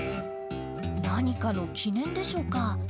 何かの記念でしょうか。